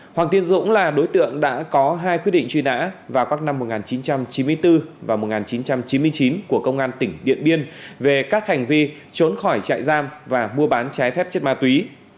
hoàng tiến dũng là đối tượng đã có hai quyết định truy nã vào các năm một nghìn chín trăm chín mươi bốn và một nghìn chín trăm chín mươi chín của công an tỉnh điện biên về các hành vi trốn khỏi trại giam và mua bán trái phép chất ma túy